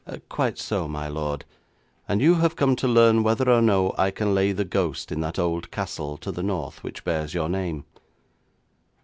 'Quite so, my lord. And you have come to learn whether or no I can lay the ghost in that old castle to the north which bears your name?'